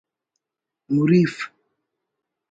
مریف